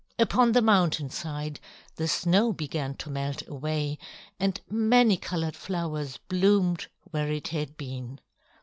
Upon the mountain side the snow began to melt away, and many colored flowers bloomed where it had been.